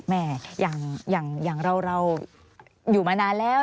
แม่อย่างเราอยู่มานานแล้ว